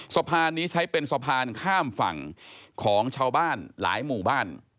สะพานนี้ใช้เป็นสะพานข้ามฝั่งของชาวบ้านหลายหมู่บ้าน